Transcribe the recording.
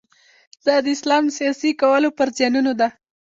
دا د اسلام سیاسي کولو پر زیانونو ده.